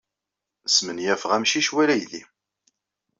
Smenyafeɣ amcic wala aydi.